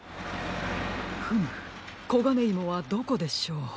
フムコガネイモはどこでしょう？